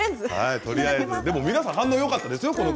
皆さん反応は、よかったですよ。